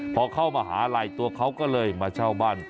พอเข้ามหาลัยตัวเขาก็เลยมาเช่าบ้าน